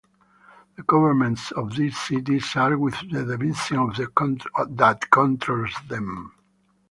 The governments of these cities are with the division that controls them.